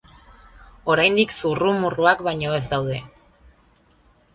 Oraindik zurrumurruak baino ez daude.